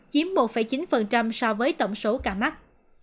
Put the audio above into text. cảm ơn các bạn đã theo dõi và hẹn gặp lại